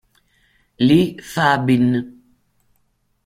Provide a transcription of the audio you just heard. Li Fabin